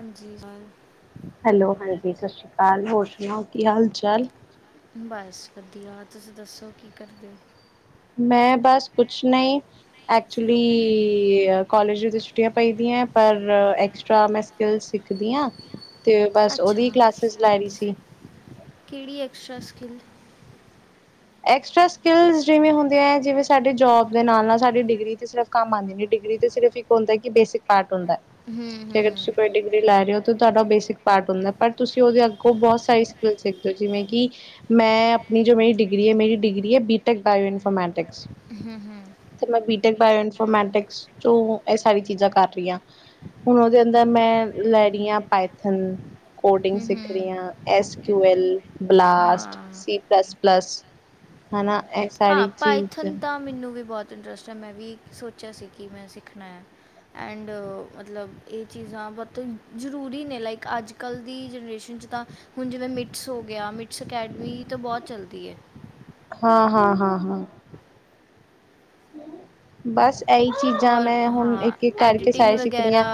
ਹਾਂਜੀ ਹਾਂ। ਹੈਲੋ, ਹਾਂਜੀ ਸਤਿ ਸ਼੍ਰੀ ਅਕਾਲ ਹੋਰ ਸੁਣਾਓ ਕੀ ਹਾਲ ਚਾਲ। ਬਸ, ਵਧੀਆ ਤੁਸੀਂ ਦੱਸੋ ਕੀ ਕਰਦੇ ਓ? ਮੈਂ ਬਸ ਕੁਛ ਨਹੀਂ। ਐਕਚੁਲੀ ਕੋਲੇਜ ਤਾਂ ਛੁੱਟੀਆਂ ਪਾਈ ਦੀਆਂ ਪਰ ਐਕਸਟਰਾ ਮੈਂ ਸਕਿੱਲ ਸਿੱਖਦੀ ਹਾਂ ਤੇ ਬਸ ਅੱਛਾ ਉਹਦੀ ਕਲਾਸਿਸ ਲੈ ਰਹੀ ਸੀ। ਕਿਹੜੀ ਐਕਸਟਰਾ ਸਕਿੱਲ ਐਕਸਟਰਾ ਸਕਿੱਲ ਜਿਵੇਂ ਹੁੰਦੀਆਂ ਹੈ ਜਿਵੇਂ, ਸਾਡੀ ਜੋਬ ਦੇ ਨਾਲ- ਨਾਲ ਸਾਡੀ ਡਿਗਰੀ ਤੇ ਸਿ ਕੰਮ ਆਂਦੇ ਨੇ ਡਿਗਰੀ ਤੇ ਸਿਰਫ ਇੱਕ ਹੁੰਦਾ ਕਿ ਬੇਸਿਕ ਪਾਰਟ ਹੁੰਦਾ ਹੂੰ ਕਿ ਹੂੰ ਅਗਰ ਤੁਸੀਂ ਕੋਈ ਡਿਗਰੀ ਲੈ ਰਹੇ ਹੋ ਤੁਹਾਡਾ ਬੇਸਿਕ ਪਾਰਟ ਹੁੰਦਾ। ਪਰ ਤਸੀਂ ਉਹਦੇ ਅੱਗੋਂ ਬਹੁਤ ਸਾਰੀ ਸਕਿੱਲ ਸਿੱਖਦੇ ਹੋ ਜਿਵੇਂ ਕਿ ਮੈਂ ਆਪਣੀ ਜੋ ਮੇਰੀ ਡਿਗਰੀ ਹੈ ਮੇਰੀ ਡਿਗਰੀ ਹੈ ਬੀਟੈਕ ਬਾਇਓ ਇਨਫੋਰਮੈਟਿਕਸ। ਹਮ -ਹਮ। ਤੇ ਮੈਂ ਬੀਟੈਕ ਬਾਇਓ ਇਨਫੋਰਮੈਟਿਕਸ ਚੋ ਇਹ ਸਾਰੀਆਂ ਚੀਜ਼ਾਂ ਕਰ ਰਹੀ ਹਾਂ। ਹੁਣ ਉਹਦੇ ਅੰਦਰ ਮੈਂ ਲੈਡੀ ਆ ਪਾਇਥਨ ਕੋਡਿੰਗ ਹੂੰ ਸਿੱਖ ਰਹੀ ਹੂੰ ਹਾਂ ਐਸ ਕਿਊ ਐਲ, ਬਲਾਸਟ ਹਾਂ ਸੀ ਪਲੱਸ -ਪਲੱਸ। ਹਨਾ ਇਹ ਹਾਂ ਸਾਰੀ ਚ ਪਾਈਥਨ ਤਾਂ ਮੈਨੂੰ ਵੀ ਬਹੁਤ ਇੰਟਰਸਟ ਐ ਮੈਂ ਵੀ ਸੋਚਿਆ ਸੀ ਕਿ ਮੈਂ ਸਿੱਖਣਾ ਆ। ਐਂਡ ਮਤਲਬ ਇਹ ਚੀਜ਼ਾਂ ਬਹੁਤ ਜ਼ਰੂਰੀ ਨੇ ਲਾਈਕ ਅੱਜ ਕੱਲ੍ਹ ਦੀ ਜਨਰੇਸ਼ਨ 'ਚ ਤਾਂ ਹੁਣ ਜਿਵੇਂ ਮਿਟਸ ਹੋ ਗਿਆ ਮਿਟਸ ਅਕੈਡਮੀ ਤਾਂ ਬਹੁਤ ਚੱਲਦੀ ਹੈ। ਹਾਂ- ਹਾਂ-ਹਾਂ- ਹਾਂ। ਬਸ ਇਹੀ ਚੀਜ਼ਾਂ ਔਰ ਮੈਂ ਹੁਣ ਹਾਂ ਇੱਕ ਇੱਕ ਕਰਕੇ ਐਡੀਟਿੰਗ ਸਾਰੇ ਸਿੱਖਦੀ ਆਂ। ਵਗੈਰਾ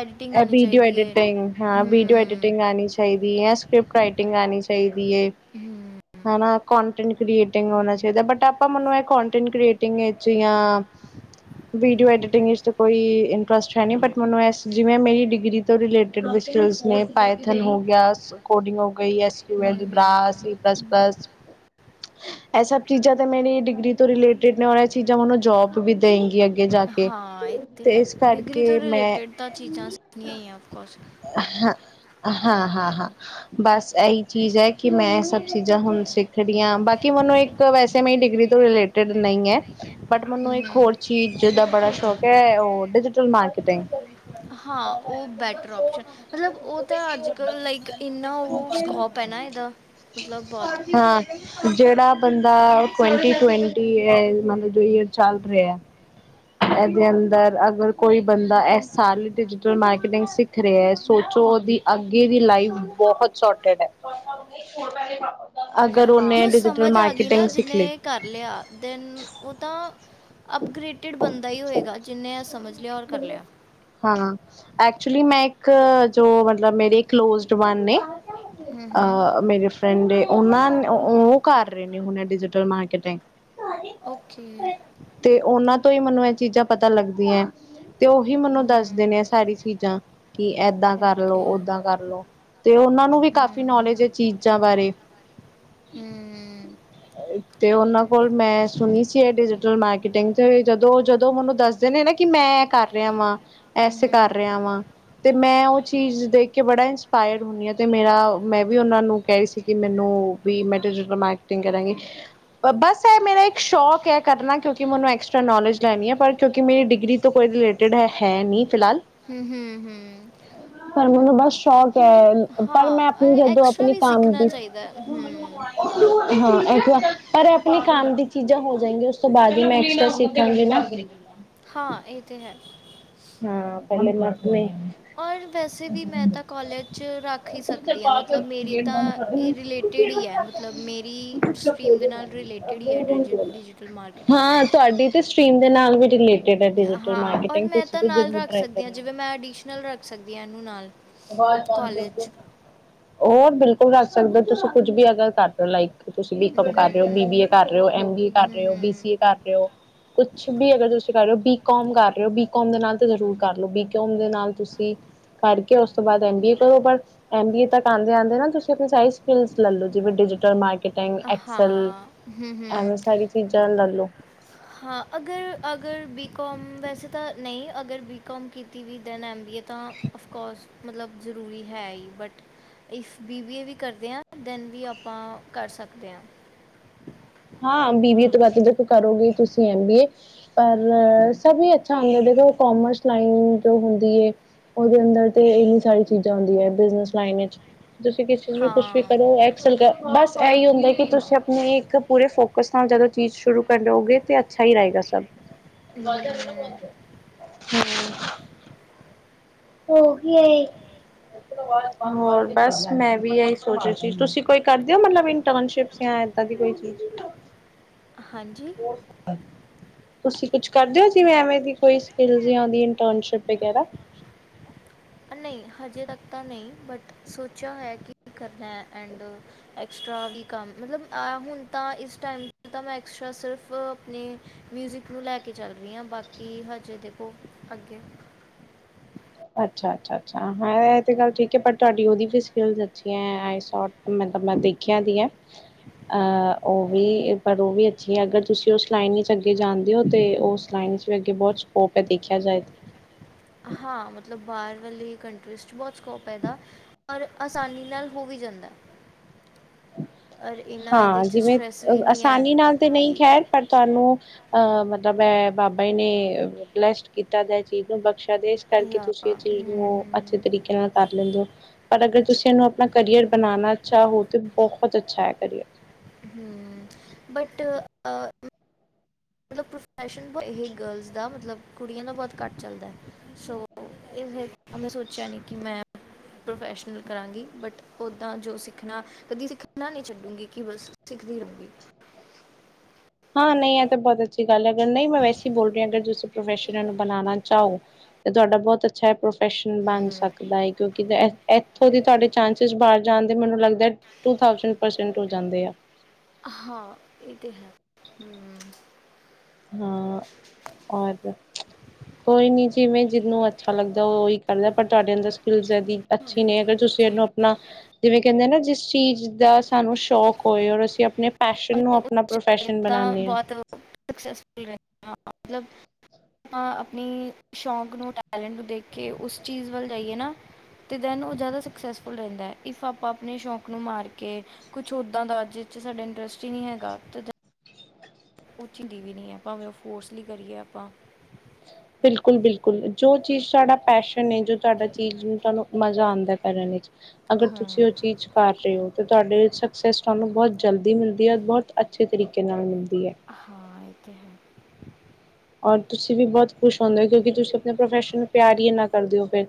ਐਡੀਟਿੰਗ ਆਣੀ ਵੀਡੀਓ ਚਾਹੀਦੀ ਹੈ ਐਡਿਟਿੰਗ ਹਾਂ ਵੀਡੀਓ ਹੂੰ ਐਡਿਟਿੰਗ ਆਣੀ ਚਾਹੀਦੀ ਹੈ ਸਕਿੱਪ ਰਾਈਟਿੰਗ ਆਉਣੀ ਚਾਹੀਦੀ ਹੈ। ਹੂੰ ਹਨਾ ਕੋਂਟੈਂਟ ਕ੍ਰੀਏਟਿੰਗ ਹੋਣਾ ਚਾਹੀਦਾ ਬਟ ਆਪਾਂ ਮੈਨੂੰ ਇਹ ਕੋਂਟੈਂਟ ਕ੍ਰੀਏਟਿੰਗ ਚੀਆਂ। ਵੀਡੀਓ ਐਡੀਟਿੰਗ ਵਿੱਚ ਕੋਈ ਇੰਟਰਸਟ ਹੈ ਨੀ ਬਟ ਮੈਨੂੰ ਇਸ ਜਿਵੇਂ ਮੇਰੀ ਡਿਗਰੀ ਰਲੇਟਿਡ ਬਿਸਟਲਸ ਨੇ ਪਾਇਥਲ ਹੋ ਗਿਆ ਕੋਡਿੰਗ ਹੋ ਗਈ, ਐਸ ਹੂੰ ਕੂਲ ਹੂੰ ਬਰਾ, ਸੀ ਪਲੱਸ ਪਲਸ। ਇਹ ਸਭ ਚੀਜ਼ਾਂ ਤੇ ਮੇਰੀ ਡਿਗਰੀ ਤੋਂ ਰਿਲੇਟਿਡ ਨੇ ਔਰ ਇਹ ਚੀਜ਼ਾਂ ਮੈਨੂੰ ਜੋਬ ਵੀ ਦੇਣਗੀਆਂ। ਹਾਂ ਇਹ ਤੇ ਹੈ ਡਿਗਰੀ ਤੋਂ ਮੈਂ ਰਿਲੇਟਿਡ ਤਾਂ ਚੀਜ਼ਾਂ ਸਿੱਖਣੀਆਂ ਈ ਆ ਕੁਛ। ਹਾਂ-ਹਾ, ਹਾਂ- ਹਾਂ ਬੱਸ ਇਹੀ ਚੀਜ਼ ਹੈ ਕਿ ਮੈਂ ਇਹ ਸਭ ਚੀਜ਼ਾਂ ਹੁਣ ਸਿੱਖਦੀ ਆ ਬਾਕੀ ਮੈਨੂੰ ਇੱਕ ਵੈਸੇ ਮੈਂ ਡਿਗਰੀ ਤੋਂ ਰਿਲੇਟ [unintelligible] ਬਟ ਮੈਨੂੰ ਇੱਕ ਹੋਰ ਚੀਜ਼ ਦਾ ਬੜਾ ਸ਼ੌਕ ਹੈ ਉਹ ਡਿਜੀਟਲ ਮਾਰਕੀਟਿੰਗ। ਹਾਂ ਉਹ ਬੈਟਰ ਔਪਸ਼ਨ ਮਤਲਬ ਉਹ ਤਾਂ ਅੱਜ ਕੱਲ੍ਹ ਲਾਈਕ ਇੰਨਾ ਉਹ ਸਕੋਪ ਹੈ ਨਾ ਇਹਦਾ, ਮਤਲਬ ਬਹੁਤ ਹਾਂ ਜਿਹੜਾ ਬੰਦਾ ਟਵੰਟੀ-ਟਵੰਟੀ ' [unintelligible] ' ਮਤਲਬ ਜੋ ਇਹ ਚੱਲ ਰਿਹਾ।' ' [inaudible] ਇਹਦੇ ਅੰਦਰ ਅਗਰ ਕੋਈ ਬੰਦਾ, ਇਸ ਸਾਲ ਡਿਜੀਟਲ ਮਾਰਕੀਟਿੰਗ ਸਿੱਖ ਰਿਹਾ ਸੋਚੋ ਉਹਦੀ ਅੱਗੇ ਦੀ ਲਾਈਫ ਬਹੁਤ ਸ਼ੋਰਟਡ ਐ। ਹਾਂ, ' [unintelligible] ' ਸਮਝ ਆ ਗਈ ਨਾ ਸਿੱਖ ਲਈ ਜਿਹਨੇ ਕਰ ਲਿਆ, ਦਿਨ ਉਹ ਤਾਂ, ਅਪਗ੍ਰੇਡ ਟਿਡ ਬੰਦਾ ਹੀ ਹੋਏਗਾ, ਜਿਹਨੇ ਆ ਸਮਝ ਲਿਆ, ਔਰ ਕਰ ਲਿਆ। ਹਾਂ, ਐਕਚੁਲੀ ਮੈਂ ਇੱਕ ਜੋ ਮਤਲਬ ਮੇਰੇ ਕਲੋਜ਼ਡ ਵਨ ਨੇ, ਹੂੰ, ਹੂੰ। ਅਅ ਮੇਰੇ ਫਰੈਡ ਏ, ਉਹਨਾਂ ਨ ਉਅ ਕਰ ਰੇ ਨੇ ਹੁਣੇ ਡਿਜੀਟਲ ਮਾਰਕੀਟਿੰਗ। ਓਕੇ। ਤੇ ਉਨਾਂ ਤੋਂ ਈ ਮਨੂੰ ਇਅ ਚੀਜ਼ਾਂ ਪਤਾ ਲਗਦੀਐਂ। ਤੇ ਉਹੀ ਹੂੰ, ਮਨੂੰ ਦੱਸ ਹੂੰ। ਦੇ ਨੇ ਐ ਸਾਰੀ ਚੀਜ਼ਾਂ, ਕੀ ਏਦਾਂ ਕਰਲੋ, ਓਕੇ। ਓਦਾਂ ਕਰਲੋ। ਤੇ ਉਨਾਂ ਨੂੰ ਵੀ ਕਾਫ਼ੀ ਹੂੰ। ਨੌਲੇਜ ਏ ਚੀਜ਼ਾਂ ਬਾਰੇ। ਹਮ। ਆਏ ਤੇ ਉਨਾਂ ਕੋਲ ਮੈਂ ਸੁਣੀ ਸੀ ਇ ਡਿਜੀਟਲ ਮਾਰਕ ਕਿਟਿੰਗ 'ਚ' ਜਦੋਂ ਜਦੋਂ ਮਨੂੰ ਦੱਸਦੇ ਨੇ ਨਾ ਕਿ ਮੈਂ ਏ ਕਰ ਰਿਆ ਵਾਂ ਹੂੰ, ਐਸ ਹੂੰ, 'ਚ' ਕਰ ਰਿਹਾ ਵਾਂ। ਤੇ ਮੈਂ ਉਅ ਚੀਜ਼ ਦੇਖ ਕੇ ਬੜਾ ਇੰਸਪਾਇਰਡ ਹੁੰਨੀ ਆਂ ਤੇ ਮੇਰਾ ਮੈਂ ਵੀ ਉਨਾਂ ਨੂੰ ਕੈਰੀ ਸੀ ਕੀ ਮੈਨੂੰ। ਵੀ ਮੈਟਰ ਕੇ ਮੈ ਐਕਟਿੰਗ ਕਰਾਂਗੀ, ਅ ਬੱਸ ਐ ਮੇਰਾ ਇੱਕ ਸ਼ੌਕ ਐ ਕਰਨਾ ਕਿਉਂਕਿ ਕਿ ਮਨੂੰ ਐਕਸਟਰਾ ਨੌਲੇਜ ਲੈਣੀ ਐ, ਪਰ ਕਿਉਂਕਿ ਮੇਰੀ ਡਿਗਰੀ ਤੋਂ ਕੋਈ ਰਿਲੇਟਿਡ ਹੈ ਨੀ ਫਿਲਹਾਲ। ਹੂੰ-ਹੂੰ, ਹੂੰ। ਮੈਨੂੰ ਨਾ ਬੱਸ ਸ਼ੌਕ ਐ। ਅ-ਅ ਪਰ ਮੈਂ ਹਾਂ ਆਪਣੀ ਜਦੋ ਐਕਸਟਰਾ ਆਪਣੀ ਵੀ ਕੰਮ ਸਿੱਖਣਾ ਦੀ ਚਾਹੀਦਾ ਹੈ। ਹਮ ਹਾਂ, ਐਤੇ ਆ ਪਰ ਇ ਆਪਣੀ ਕੰਮ ਦੀ ਚੀਜ਼ਾਂ ਹੋ ਜਾਏਗੀ ਉਸ ਤੋਂ ਬਾਦ ਈ ਮੈਂ ਐਕਸਟਾ ਸੀਖਾਂਗੀ ਨਾਂ। ਹਾਂ ਇਹ ਤੇ ਹੈ। ਹਾਂਅ' ' [unintelligible] ਔਰ ਵੈਸੇ ਵੀ ਮੈਂ ਤਾਂ ਕੌਲੇਜ 'ਚ' ਰੱਖ ਈ ਸਕਦੀ ਆਂ ਮਤਲਬ ਮੇਰੀ ਤਾਂ ਇ ਰਿਲੇਟਿਡ ਈ ਐ ਮਤਲਬ ਮੇਰੀ ਸਟਰੀਮ ਦੇ ਨਾਲ ਰਿਲੇਟਿਡ ਈ ਐ ਡਿਜ਼ ਡਿਜੀਟਲ ਮਾਰਕੀਟਿੰਗ। ਹਾਂ ਤੁਆਡੀ ਤੇ ਸਟੀਮ ਦੇ ਨਾਲ ਵੀ ਰਿਲੇਟ ਹਾਂ, ਔਰ ਮੈਂ ਤਾ ਨਾਲ ਰੱਖ ਟਰਾਈ ਸਕਦੀ ਆ, ਕਰਨਾ। ਜਿਵੇਂ ਮੈਂ ਅਡੀਸ਼ਨਲ ਰੱਖ ਸਕਦੀ ਆ ਇਹਨੂੰ ਨਾਲ। ਅਵਾਜ਼ ਬੰਦ ਕਰਦੋ, ਕਾਲਜ ਔਰ ਬਿਲਕੁਲ ਰੱਖ ਸਕਦੇ ਓ, ਤੁਸੀ ਕੁੱਝ ਵੀ ਅਗਰ ਕਰ ਰੋ ਲਾਈਫ 'ਚ' ਤੁਸੀਂ ਬੀ ਕਮ ਕਰ ਰਹੇ ਓ, ਹਮ ਬੀਬੀਏ ਕਰ ਰੇ ਓ, ਐਮ ਬੀ ਏ ਕਰ ਰਹੇ ਹਮ ਓ, ਹਮ ਬੀਸੀ ਏ ਕਰ ਰੇ ਓ। ਕੁਛ ਵੀ, ਅਗਰ ਤੁਸੀ ਕਰਰੇ ਓ ਬੀਕੌਮ ਕਰ ਰਹੇ ਓ, ਬੀਕੌਮ ਦੇ ਨਾਲ ਤੇ ਜ਼ਰੂਰ ਕਰ ਲੋ, ਬੀਕੌਮ ਦੇ ਨਾਲ ਤੁਸੀ ਕਰਕੇ, ਉਸ ਤੋ ਬਾਅਦ ਐਮ ਬੀ ਏ ਕਰੋ ਬੱਸ। ਐ ਬੀ ਏ ਤੱਕ ਆਂਦੇ-ਆਂਦੇ ਨਾ ਤੁਸੀਂ ਸਾਰੀ ਸਕਿਲਜ ਲਲੋ ਜਿਵੇਂ ਡਿਜ਼ੀਟਲ ਮਾਰਕੀ ਕਿੰਗ, ਐਕਸਲ, ਹਾਂ ਹਮ ਹਮ ਐਵੇਂ ਸਾਰੀ ਚੀਜ਼ਾਂ ਲੈਲੋ। ਹਾਂ ਅਗਰ, ਅਗਰ ਬੀਕੌਮ ਵੈਸੇ ਤਾ ਨਈਂ ਅਗਰ ਬੀਕੌਮ ਕੀਤੀ ਵੀ ਦੈਨ ਆਇਮ ਵੀ ਏ ਤਾਂ, ਅਫਕੌਸ, ਮਤਲਬ ਜ਼ਰੂਰੀ ਹੈ ਈ but if B B A ਵੀ ਕਰਦੇ ਆਂ ਦੈਨ ਵੀ ਆਪਾਂ ਕਰ ਸਕਦੇ ਆਂ। ਹਾਂ, ਬੀਬੀਏ ਤੋਂ ਬਾਅਦ ਤੌ ਦੇਖੋ ਕਰੋਗੇ ਤੁਸੀ ਐਂਮ ਬੀਏ‌। ਪਰ ਸਭ ਹੀ ਅੱਛਾ ਹੁੰਦੈ, ਦਖੋ ਕੌਮਰਸ ਲਾਈਨ ਜੋ ਹੁੰਦੀ ਏ ਉਦੇ ਅੰਦਰ ਤੇ ਇੰਨੀ ਸਾਰੀ ਚੀਜ਼ਾਂ ਉਂਦੀ ਐਂ ਬਿਜਨਿਸ ਲਾਈਨ ਇਚ। ਤੁਸੀ ਕਿਸੇ 'ਚ' ਵੀ ਕੁਛ ਵੀ ਹਾਂ ਕਰੋ, ਐਕਸਲ ਕ, ਬੱਸ ਐਈ ਉਂਦਾ ਕਿ ਤੁਸੀ ਆਪਣੀ ਇੱਕ ਪੂਰੇ ਫੋਕਸ ਨਾਲ ਜਦੋ ਚੀਜ਼ ਸ਼ੁਰੂ ਕਰੋਗੇ ਤੇ ਅੱਛਾ ਈ ਰਏਗਾ ਸਭ ਹਮ, ਹੂੰ। ਓ ਕੀ ਓਏ। ਹੋਰ ਬਸ ਮੈਂ ਵੀ ਇਹੀ ਸੋਚ ਰਈ ਸੀ ਤੁਸੀ ਕੋਈ ਕਰਦੇ ਓ ਮਤਲਬ ਇੰਟਰਨਸ਼ਿਪਸ? ਯਾਂ ਏਦਾ ਦੀ ਕੋਈ ਚੀਜ਼? ਹਾਂਜੀ। [unintelligible] ਤੁਸੀ ਕੁਛ ਕਰਦੇ ਓ ਜਿਵੇਂ ਐਵੇਂ ਦੀ ਕੋਈ ਸਕਿਲਜ ਜਾ ਓਦੀ ਇੰਨਟਰਨਸ਼ਿਪ ਵਗੈਰਾ? ਅ ਨਈ ਹਜੇ ਤੱਕ ਤਾ ਨਈਂ ਬਟ ਸੋਚਿਆ ਹੋਇਐ ਕੀ ਕਰਨੈ ਐਂਡ ਐਕਸਟਰਾ ਵੀ ਕੰਮ ਮਤਲਬ ਅ ਹੁਣ ਤਾ ਇਸ ਟਾਈਮ ਤਾ ਮੈਂ ਐਕਸਟਰਾ ਸਿਰਫ ਨੇ ਮਿਊਜ਼ਿਕ ਨੂੰ ਲੈ ਕੇ ਚੱਲ ਰੀਆਂ ਬਾਕੀ ਹਜੇ ਦੇਖੋ ਅੱਗੇ ਅੱਛਾ -ਅੱਛਾ, ਅੱਛਾ ਹੈ ਇਹ ਤੇ ਗੱਲ ਠੀਕ ਐ ਪਰ ਤੁਹਾਡੀ ਉਹਦੀ ਸਕ ਜ ਆਈਸੋਟ ਮਤਬ ਮੈਂ ਦੇਖਿਆ ਨੀਂ ਐ ਉਹ ਵੀ ਪਰ ਉਹ ਵੀ ਅੱਛੀ ਐ ਅਗਰ ਤੁਸੀਂ ਉਸ ਲਾਈਨ 'ਚ ਅੱਗੇ ਜਾਦੇ ਹੋ ਤਾਂ ਉਸ ਲਾਈਨ 'ਚ ਵੀ ਅੱਗੇ ਬਹੁਤ ਪੇ ਦੇਖਿਆ ਜਾਏ ਤੇ ਹਾਂ ਮਤਲਬ ਬਾਹਰ ਵਾਲੀ ਕੰਟਰੀਜ਼ 'ਚ ਬਹੁਤ ਸਕੋਪ ਐ ਇਹਦਾ ਔਰ ਆਸਾਨੀ ਨਾਲ ਹੋ ਵੀ ਜਾਂਦਾ। ਔਰ ਇੰਨਾ ਇਹਦੇ ਹਾਂ 'ਚ ਜਿਵੇਂ ਸਟ੍ਰੈਸ ਵੀ ਨਹੀਂ ਹੈ ਆਸਾਨੀ ਨਾਲ ਤੇ ਨਹੀਂ ਕਿ ਖੈਰ ਪਰ ਤੁਹਾਨੂੰ ਅਹ ਮਤਲਬ ਐ ਬਾਬਾ ਜੀ ਨੇ ਬਲੈਸਡ ਕੀਤਾ ਦਾ ਚੀਜ਼ ਨੂੰ ਬਖਸ਼ਾ ਦੇ ਕਰਕੇ ਯਾ ਤੁਸੀਂ ਇਹ ਚੀਜ਼ ਨੂੰ ਹੂੰ, ਤਰੀਕੇ ਨਾਲ ਕਰ ਲੈਂਦੇ ਹੋ ਪਰ ਅਗਰ ਤੁਸੀਂ ਇਹਨੂੰ ਆਪਣਾ ਕਰੀਅਰ ਬਣਾਣਾ ਚਾਹੋ ਤੇ ਬਹੁਤ ਅੱਛਾ ਐ ਕਰੀਏ। ਹਮ ਬਟ ਆਹ ਮਤਲਬ ਪ੍ਰੋਫੈਸ਼ਨ ਬ ਇਹ ਗਰਲਜ਼ ਦਾ ਮਤਲਬ ਕੁੜੀਆਂ ਦਾ ਬਹੁਤ ਘੱਟ ਚੱਲਦਾ ਸੋ ਇਹ ਫਿਰ ਸੋਚਿਆ ਨੀ ਕਿ ਮੈ ਪ੍ਰੋਫੈਸ਼ਨਲ ਕਰਾਂਗੀ ਬਟ ਉੱਦਾਂ ਜੋ ਸਿੱਖਣਾ। ਕਦੀ ਸਿੱਖਣਾ ਨਹੀਂ ਛੱਡੂਗੀ ਕਿ ਬਸ ਸਿੱਖਦੀ ਰਹੂਗੀ ਹਾਂ ਨਹੀਂ ਇਹ ਤਾਂ ਬਹੁਤ ਅੱਛੀ ਗੱਲ ਐ ਅਗਰ ਨਹੀਂ ਮੈਂ ਵੈਸੇ ਬੋਲ ਰਹੀ ਅਗਰ ਤੁਸੀਂ ਪ੍ਰੋਫੈਸ਼ਨ ਨੂੰ ਬਣਾਉਣਾ ਚਾਹੋ। ਤੇ ਤੁਹਾਡਾ ਬਹੁਤ ਅੱਛਾ ਇਹ ਪ੍ਰੋਫੈਸ਼ਨ ਬਣ ਹੂੰ ਸਕਦਾ ਏ ਕਿਉਂਕਿ ਇੱਥੋਂ ਦੇ ਤੁਹਾਡੇ ਚਾਂਸਿਸ ਬਾਹਰ ਜਾਣ ਦੇ ਮੈਨੂੰ ਲੱਗਦਾ ਟੂ -ਥਾਊਸੈਂਡ ਪਰਸੈਂਟ ਹੋ ਜਾਂਦੇ ਆ। ਹਾਂ ਇਹ ਤਾਂ ਹੈ। ਹਮ ਹਾਂ, ਔਰ ਦੱਸ ਕੋਈ ਨਹੀਂ ਜਿਵੇਂ ਜਿਹਨੂੰ ਅੱਛਾ ਲੱਗਦਾ ਉਹ ਉਹੀ ਕਰਦਾ ਪਰ ਤੁਹਾਡੇ ਅੰਦਰ ਸਕਿੱਲਸ ਹੈਦੀ। ਅੱਛੀ ਅਸੀਂ ਨੇ ਅਗਰ ਤੁਸੀਂ ਇਹਨੂੰ ਆਪਣਾ ਜਿਵੇਂ ਕਹਿੰਦੇ ਨਾ ਜਿਸ ਚੀਜ਼ ਦਾ ਸਾਨੂੰ ਸ਼ੌਕ ਹੋਏ ਔਰ ਅਸੀਂ ਆਪਣੇ ਪੈਸ਼ਨ ਨੂੰ ਉਸ ਪ੍ਰੋਫੈਸ਼ਨ ਤਾਂ ਬਣਾਉਂਦੇ ਹਾਂ ਬਹੁਤ ਸਕਸੈਸਫੁਲ ਰ ਆਪਾਂ ਆਪਣੀ ਸ਼ੌਕ ਨੂੰ ਟੈਲੈਂਟ ਨੂੰ ਦੇਖ ਕੇ ਉਸ ਚੀਜ਼ ਵੱਲ ਜਾਈਏ ਨਾ ਅਤੇ ਦੈਨ ਉਹ ਜ਼ਿਆਦਾ ਸਕਸੈਸਫੁੱਲ ਰਹਿੰਦਾ ਹੈ ਇਫ ਆਪਾਂ ਆਪਣੇ ਸ਼ੌਂਕ ਨੂੰ ਮਾਰ ਕੇ ਕਿ ਕੁਛ ਉੱਦਾਂ ਦਾ ਅੱ ਜਿਸ 'ਚ ਸਾਡਾ ਇੰਟਰਸਟ ਹੀ ਨਹੀਂ ਹੈਗਾ। ਉਹ ਚਿੰਦੀ ਵੀ ਨਹੀਂ ਹੈ ਭਾਵੇਂ ਉਹ ਫੋਰਸਲੀ ਕਰੀਏ ਆਪਾਂ ਬਿਲਕੁਲ -ਬਿਲਕੁਲ ਜੋ ਚੀਜ਼ ਸਾਡਾ ਪੈਸ਼ਨ ਐ ਜੋ ਤੁਹਾਡਾ ਚੀਜ਼ ਨੂੰ ਤੁਹਾਨੂੰ ਮਜ਼ਾ ਆਉਂਦਾ ਕਰਨ ਵਿੱਚ ਅਗਰ ਤੁਸੀਂ ਉਹ ਹਮ ਚੀਜ਼ 'ਚ ਕਰ ਰਹੇ ਹੋ ਅਤੇ ਤੁਹਾਡੇ ਸਕਸੈਸ ਤੁਹਾਨੂੰ ਬਹੁਤ ਜਲਦੀ ਮਿਲਦੀ ਐ ਬਹੁਤ ਅੱਛੇ ਤਰੀਕੇ ਨਾਲ ਮਿਲਦੀ ਹੈ। ਹਾਂ ਇਹ ਤਾਂ ਹੈ। ਔਰ ਤੁਸੀ ਵੀ ਬਹੁਤ ਖੁਸ਼ ਹੁੰਦੇ ਹੋ ਕਿਉਂਕਿ ਤੁਸੀਂ ਆਪਣੇ ਪ੍ਰੋਫੈਸ਼ਨ ਨੂੰ ਪਿਆਰ ਇਨਾ ਕਰਦੇ ਹੋ ਫਿਰ।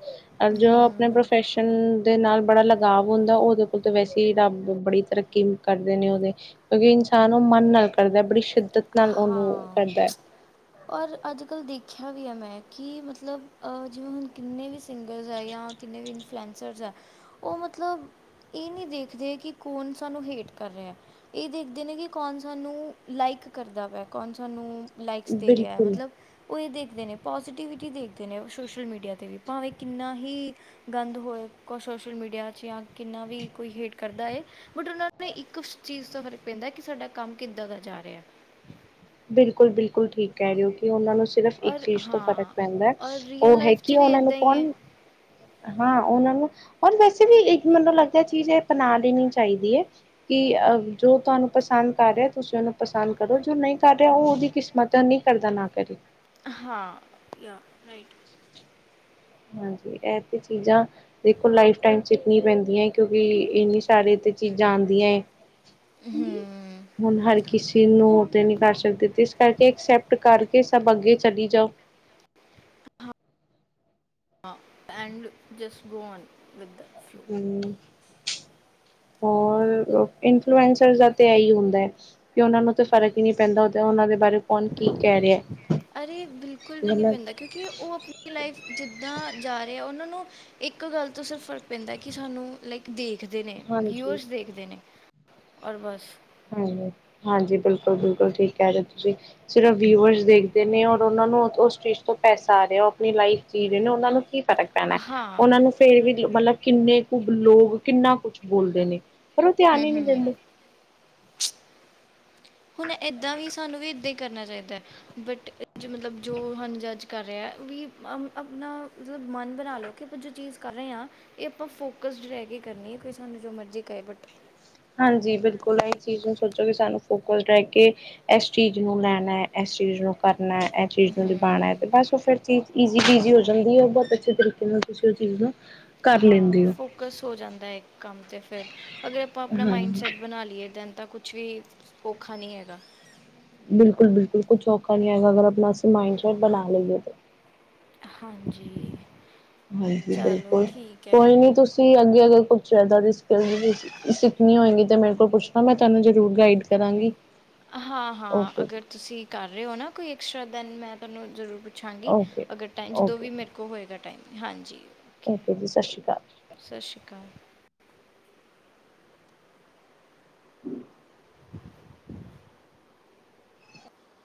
ਜੋ ਆਪਣੇ ਹਮ ਪ੍ਰੋਫੈਸ਼ਨ ਦੇ ਨਾਲ ਬੜਾ ਲਗਾਵ ਹੁੰਦਾ। ਉਹਦੇ ਕੋਲ ਤਾਂ ਵੈਸੇ ਹੀ ਰੱਬ ਬੜੀ ਤਰੱਕੀ ਕਰਦੇ ਨੇ ਉਹਦੇ। ਕਿਉਕਿ ਇਨਸਾਨ ਉਹ ਮਨ ਨਾਲ ਕਰਦਾ ਬੜੀ ਸ਼ਿੱਦਤ ਨਾਲ ਉਹਨੂੰ ਹਾਂ ਕਰਦਾ। ਔਰ ਅੱਜ-ਕੱਲ੍ਹ ਦੇਖਿਆ ਵੀ ਏ ਮੈਂ, ਕਿ ਮਤਲਬ ਜਿਵੇਂ ਹੁਣ ਕਿੰਨੇ ਵੀ ਸਿੰਗਰਸ ਏ ਜਾਂ ਕਿੰਨੇ ਵੀ ਇਨਫਲੂਐਂਸਰ ਏ। ਉਹ ਮਤਲਬ ਇਹ ਨਹੀਂ ਦੇਖਦੇ ਕਿ ਕੌਣ ਸਾਨੂੰ ਹੇਠ ਕਰ ਰਿਹਾ। ਇਹ ਦੇਖਦੇ ਨੇ ਕਿ ਕੌਣ ਸਾਨੂੰ ਲਾਈਕ ਕਰਦਾ ਪਿਆ, ਕੌਣ ਸਾਨੂੰ ਲਾਈਕਸ ਦੇ ਬਿਲਕੁਲ ਰਿਹਾ। ਉਹ ਇਹ ਦੇਖਦੇ ਨੇ ਪੋਜੀਟਿਵਿਟੀ ਦੇਖਦੇ ਨੇ ਸੋਸ਼ਲ ਮੀਡੀਆ 'ਤੇ ਵੀ ਭਾਵੇਂ ਕਿੰਨਾ ਹੀ ਗੰਦ ਹੋਏ ਕੁਛ ਸੋਸ਼ਲ ਮੀਡੀਆ 'ਚ ਜਾਂ ਕਿੰਨਾ ਵੀ ਕੋਈ ਹੇਟ ਕਰਦਾ ਐ। ਬਟ ਉਹਨਾਂ ਨੂੰ ਇੱਕ ਚੀਜ਼ ਦਾ ਫ਼ਰਕ ਪੈਂਦਾ ਕਿ ਸਾਡਾ ਕੰਮ ਕਿੱਦਾਂ ਦਾ ਜਾ ਰਿਹਾ। ਬਿਲਕੁਲ-ਬਿਲਕੁਲ ਠੀਕ ਕਹਿ ਰਹੇ ਓ ਕਿ ਉਹਨਾਂ ਨੂੰ ਸਿਰਫ ਇੱਕ ਔਰ ਚੀਜ਼ ਤੋਂ ਫ਼ਰਕ ਹਾਂ ਪੈਂਦਾ। ਔਰ ਰੀਅਲ ਉਹ ਹੈ ਲਾਈਫ 'ਚ ਕਿ ਵੀ ਉਹਨਾਂ ਨੂੰ ਇੱਦਾਂ ਹੀ ਕੌਣ ਹੈ ਹਾਂ ਉਹਨਾਂ ਨੂੰ ਔਰ ਵੈਸੇ ਵੀ ਇੱਕ ਮੈਨੂੰ ਲੱਗਦਾ ਚੀਜ਼ ਇਹ ਅਪਣਾ ਲੈਣੀ ਚਾਹੀਦੀ ਏ। ਕਿ ਅਹ ਜੋ ਤੁਹਾਨੂੰ ਪਸੰਦ ਕਰ ਰਿਹਾ ਤੁਸੀਂ ਉਹਨੂੰ ਪਸੰਦ ਕਰੋ ਜੋ ਨਹੀਂ ਕਰ ਰਿਹਾ ਉਹ ਉਹਦੀ ਕਿਸ- ਮੈਟਰ ਨਹੀਂ ਕਰਦਾ ਨਾ ਕਰੀ। ਹਾਂ, ਯ, ਰਾਈਟ। ਹਾਂਜੀ ਇਹ ਤੇ ਚੀਜ਼ਾਂ ਦੇਖੋ, ਲਾਈਫ ਟਾਈਮ ਕਰਣੀ ਪੈਦੀ ਏ ਕਿਉਂਕਿ ਇੰਨੀ ਸਾਰੇ ਤੇ ਚੀਜ਼ਾਂ ਆਦੀਆਂ। ਹਮ। [inaudible] ਹੁਣ ਹਰ ਕਿਸੇ ਨੂੰ ਉਹ ਤੇ ਨੀ ਕਰ ਸਕਦੇ ਤੇ ਇਸ ਕਰਕੇ ਐਕਸੈਪਟ ਕਰਕੇ ਸਭ ਅੱਗੇ ਚਲੀ ਜਾਓ। And just go on with the flow. ਹਮ। ਹੋਰ ਇਨਫਲੂਐਸਰ ਦਾ ਤੇ ਇਹੀ ਹੁੰਦਾ ਐ। ਕਿ ਉਹਨਾਂ ਨੂੰ ਤੇ ਫਰਕ ਹੀ ਨਹੀਂ ਪੈਂਦਾ ਉਹਦਾ ਉਹਨਾਂ ਦੇ ਬਾਰੇ ਹੁਣ ਕੀ ਕਹਿ ਰਿਹਾ। ਜੇ ਮੈਂ ਕਿ ਉਹ ਆਪਣੀ ਲਾਈਫ ਜਿੱਦਾਂ ਜਾ ਰਿਹਾ ਆ। ਉਹਨਾਂ ਨੂੰ‌ ਇੱਕ ਗੱਲ ਤੋਂ ਸਿਰਫ ਫ਼ਰਕ ਪੈਂਦਾ ਕਿ ਸਾਨੂੰ ਲਾਈਕ ਦੇਖਦੇ ਨੇ ਹਾਂਜੀ ਵਿਅਸ ਦੇਖਦੇ ਨੇ ਔਰ ਬਸ। ਹਾਂ ਹਾਂਜੀ। ਬਿਲਕੁਲ ਬਿਲਕੁਲ ਠੀਕ ਕਹਿ ਰਹੋ ਤੁਸੀਂ। ਸਿਰਫ ਵਿਊਵਰਸ ਦੇਖਦੇ ਨੇ ਔਰ ਉਹਨਾਂ ਨੂੰ ਉਹ ਸਟੇਜ ਤੋਂ ਪੈਸਾ ਰਿਹਾ। ਉਹ ਆਪਣੀ ਲਾਈਫ ਜੀ ਰਹੇ ਨੇ ਉਹਨਾਂ ਨੂੰ ਕੀ ਫਰਕ ਪੈਣਾ। ਹਾਂ ਉਹਨਾਂ ਨੂੰ ਫਿਰ ਵੀ ਮਤਲਬ ਕਿੰਨੇ ਕੁ ਲੋਕ ਕਿੰਨਾ ਕੁਛ ਬੋਲਦੇ ਨੇ। ਪਰ ਉਹ ਧਿਆਨ ਹੂੰ ਹੀ ਨਹੀਂ ਹੂੰ ਦਿੰਦੇ। ਹੁਣ ਇੱਦਾਂ ਵੀ ਸਾਨੂੰ ਵੀ ਇੱਦਾਂ ਹੀ ਕਰਨਾ ਚਾਹੀਦਾ। ਬਟ ਮਤਲਬ ਜੋ ਸਾਨੂੰ ਜੱਜ ਕਰ ਰਿਹਾ ਵੀ ਆਪਣਾ ਮਤਲਬ ਮਨ ਬਣਾ ਲਓ। ਕਿ ਆਪਾਂ ਜੋ ਚੀਜ਼ ਕਰ ਰਹੇ ਹਾਂ ਇਹ ਆਪਾਂ ਫੋਕਸਡ ਰਹਿ ਕੇ ਕਰਨੀ ਹੈ ਕੋਈ ਸਾਨੂੰ ਜੋ ਮਰਜ਼ੀ ਕਹੇ ਬਟ। ਹਾਂਜੀ, ਬਿਲਕੁਲ ਇਹ ਚੀਜ਼ ਨੂੰ ਸੋਚੋ ਕਿ ਸਾਨੂੰ ਫੋਕਸਡ ਰਹਿ ਕੇ ਇਸ ਚੀਜ਼ ਨੂੰ ਲੈਣਾ ਇਸ ਚੀਜ਼ ਨੂੰ ਕਰਨਾ ਇਸ ਚੀਜ਼ ਨੂੰ ਹੂੰ ਦਿਵਾਣਾ। ਤੇ ਬਸ ਉਹ ਫਿਰ ਚੀਜ਼ ਈਜ਼ੀ ਬੀਜੀ ਹੋ ਜਾਂਦੀ ਏ ਬਹੁਤ ਅੱਛੇ ਤਰੀਕੇ ਨਾਲ ਤੁਸੀਂ ਉਹ ਚੀਜ਼ ਨੂੰ। ਕਰ ਲੈਂਦੇ ਹਾਂ, ਹੋ ਫੋਕਸ ਹੋ ਜਾਂਦਾ ਇੱਕ ਕੰਮ ਤੇ ਫਿਰ ਅਗਰ ਆਪਾਂ ਆਪਣਾ ਮਾਈੰਡਸੈਟ ਬਣਾ ਲਈਏ ਦੈਨ ਤਾਂ ਕੁਛ ਵੀ ਔਖਾ ਨਹੀਂ ਹੈਗਾ। ਬਿਲਕੁਲ ਬਿਲਕੁਲ। ਕੁਛ ਔਖਾ ਨਹੀਂ ਹੈਗਾ ਅਗਰ ਆਪਣਾ ਅਸੀਂ ਮਾਈਂਡ ਸੈਟ ਬਣਾ ਲਈਏ ਤਾਂ। ਹਾਂਜੀ। ਹਾਂਜੀ ਚਲੋ ਬਿਲਕੁਲ ਠੀਕ ਹੈ ਕੋਈ ਨੀ ਤੁਸੀਂ ਤੁਸੀਂ ਅੱਗੇ ਅਗਰ ਕੁਛ ਇੱਦਾਂ ਦੀ ਸਕਿੱਲ ਸਿੱਖਣੀ ਹੋਏਗੀ। ਤਾਂ ਮੇਰੇ ਕੋਲ ਪੁੱਛਣਾ ਮੈਂ ਤੁਹਾਨੂੰ ਜ਼ਰੂਰ ਗਾਈਡ ਕਰਾਂਗੀ [unintelligible] ਹਾਂ ਹਾਂ ਓਕੇ ਜੀ ਅਗਰ ਤੁਸੀਂ ਕਰ ਰਹੇ ਹੋ ਨਾ ਕੋਈ ਐਕਸਟਰਾ ਦੈਨ ਮੈਂ ਤੁਹਾਨੂੰ ਜ਼ਰੂਰ ਪੁੱਛਾਂਗੀ। ਓਕੇ ਅਗਰ ਟਾਈਮ ਜਦੋਂ ਓਕੇ ਵੀ ਮੇਰੇ ਹੋਏਗਾ ਟਾਈਮ ਹਾਂਜੀ। ਓਕੇ ਜੀ ਸਾਸੀਕਾਲ। ਸਸੀਕਾਲ।